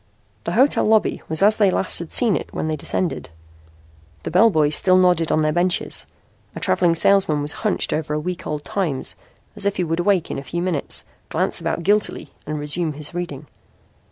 The hotel lobby was as they last had seen it when they descended. The bellboys still nodded on their benches. A travelling salesman was hunched over a week old Times as if he would awake in a few minutes, glance about guiltily and resume his reading.